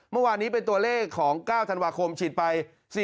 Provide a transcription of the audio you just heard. เมื่อวานนี้เป็นตัวเลขของ๙ธันวาคมฉีดไป